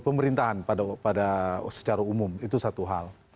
pemerintahan pada secara umum itu satu hal